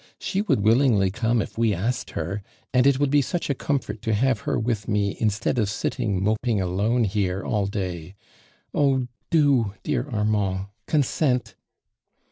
She would willingly come if we asked her, and it would be such a comfort to have her with me insteatl of sitting moping alone here all day. Oh, do, dear Armand, consent!"